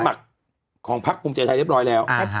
สมัครของพักภูมิใจไทยเรียบร้อยแล้ว